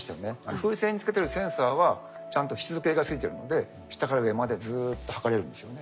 風船に付けてるセンサーはちゃんと湿度計が付いてるので下から上までずっと測れるんですよね。